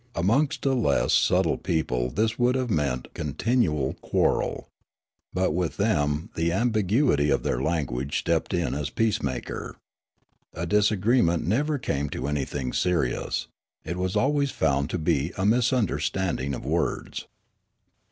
Amongst a less subtle people this would have meant continual quarrel ; but with them the ambiguity of their language stepped in as peacemaker. A disagreement never came to any thing serious ; it was alwa3's found to be a misunder standing of words.